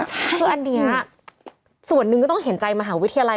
ชคมใช่ค่รคืออันนี้ส่วนนึงก็ต้องเห็นใจมาหาวิทยาลัย